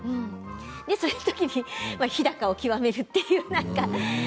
その時に日高を極めるという。